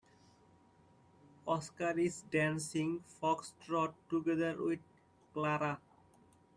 Oscar is dancing foxtrot together with Clara.